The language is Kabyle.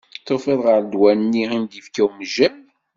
Tufiḍ ɣer ddwa-nni i m-d-ifka umejjay?